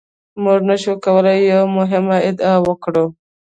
موږ نشو کولای یوه مهمه ادعا وکړو.